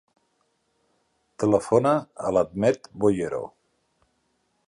Telefona a l'Ahmed Boyero.